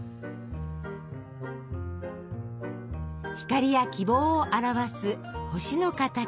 光や希望を表す星の形。